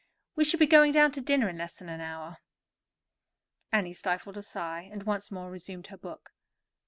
"We shall be going down to dinner in less than an hour." Annie stifled a sigh, and once more resumed her book.